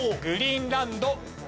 グリーンランド。